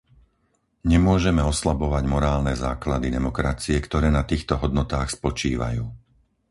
Nemôžeme oslabovať morálne základy demokracie, ktoré na týchto hodnotách spočívajú.